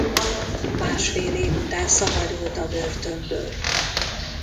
Másfél év után szabadult a börtönből.